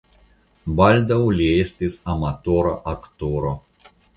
Baldaŭ li estis amatora aktoro.